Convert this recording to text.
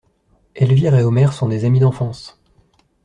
Elvire et Omer sont des amis d'enfance!